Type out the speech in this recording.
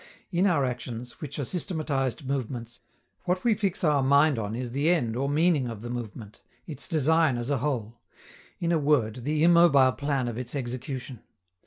In our actions, which are systematized movements, what we fix our mind on is the end or meaning of the movement, its design as a whole in a word, the immobile plan of its execution.